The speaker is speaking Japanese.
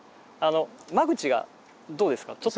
間口がどうですか？